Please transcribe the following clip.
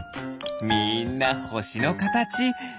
みんなほしのかたち。